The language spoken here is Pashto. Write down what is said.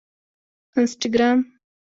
انسټاګرام